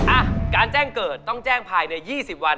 อ่ะการแจ้งเกิดต้องแจ้งภายใน๒๐วัน